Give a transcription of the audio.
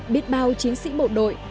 biết bao chiến sĩ bộ đội